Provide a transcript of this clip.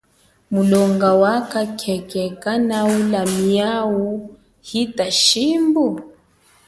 Mulonga wakha khekhe kanaula miawu hita shimbu?